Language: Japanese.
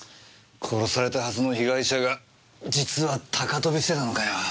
殺されたはずの被害者が実は高飛びしてたのかよ。